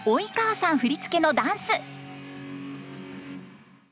振り付けのダンス。